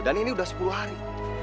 dan ini udah sepuluh hari